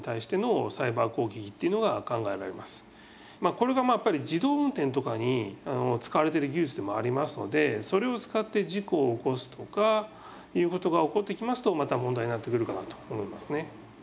まあこれがやっぱり自動運転とかに使われてる技術でもありますのでそれを使って事故を起こすとかいうことが起こってきますとまた問題になってくるかなと思いますね。